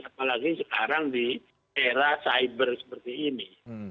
apalagi sekarang di era cyber seperti ini